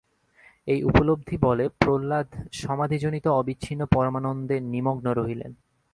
এই উপলব্ধি-বলে প্রহ্লাদ সমাধিজনিত অবিচ্ছিন্ন পরমানন্দে নিমগ্ন রহিলেন।